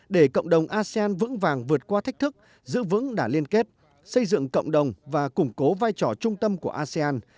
để cộng đồng asean vững vàng vượt qua thách thức giữ vững đả liên kết xây dựng cộng đồng và củng cố vai trò trung tâm của asean